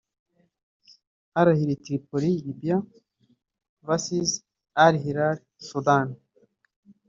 Al Ahly Tripoli (Libya) vs Al-Hilal (Sudan)